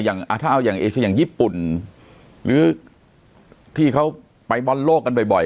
ถ้าเอาอย่างเอเชียอย่างญี่ปุ่นหรือที่เขาไปบอลโลกกันบ่อย